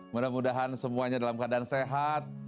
mudah mudahan semuanya dalam keadaan sehat